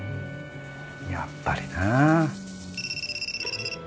やっぱりな。